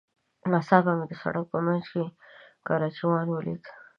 ناڅاپه مې د سړک په منځ کې کراچيوان وليد.